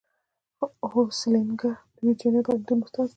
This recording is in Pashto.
هولسینګر د ورجینیا پوهنتون استاد دی.